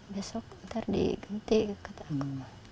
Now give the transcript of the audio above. besok ntar diganti kata allah